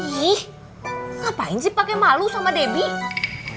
ih ngapain sih pake malu sama debbie